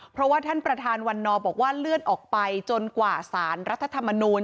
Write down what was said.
เพราะว่าท่านประธานวันนอบอกว่าเลื่อนออกไปจนกว่าสารรัฐธรรมนูล